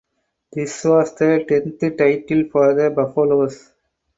This was the tenth title for the Buffaloes.